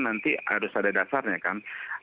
nanti harus ada dasarnya kan